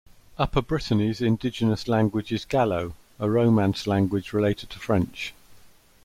Upper Brittany's indigenous language is Gallo, a romance language related to French.